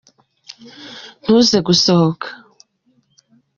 ntuze gusohoka.